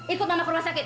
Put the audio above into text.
ikut mama perlu sakit